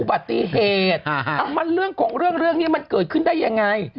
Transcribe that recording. ปฏิเหตุเอามาเรื่องของเรื่องนี้มันเกิดขึ้นได้ยังไง